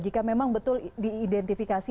jika memang betul diidentifikasi